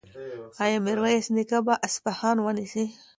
ایا میرویس نیکه به اصفهان ونیسي؟